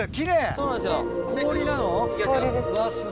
そうなんですよ。